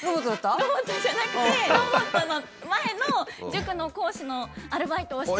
ロボットじゃなくてロボットの前の塾の講師のアルバイトをしてたんですよ。